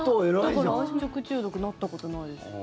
だから私も食中毒なったことないです。